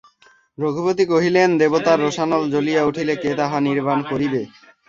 রঘুপতি কহিলেন দেবতার রোষানল জ্বলিয়া উঠিলে কে তাহা নির্বাণ করিবে!